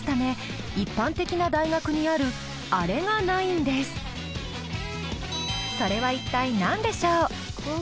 ここではそれは一体何でしょう？